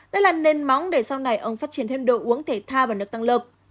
đây là nền móng để sau này ông phát triển thêm đồ uống thể thao và nước tăng lực